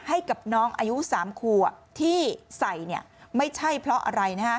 ให้กับน้องอายุ๓ขัวที่ใส่ไม่ใช่เพราะอะไร